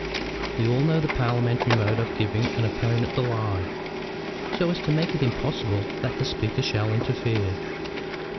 We all know the parliamentary mode of giving an opponent the lie so as to make it impossible that the Speaker shall interfere.